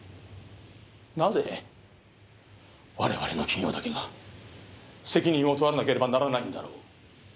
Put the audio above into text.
なぜ我々の企業だけが責任を取らなければならないんだろう？